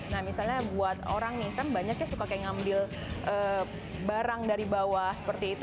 nah misalnya buat orang nih kan banyaknya suka ngambil barang dari bawah seperti itu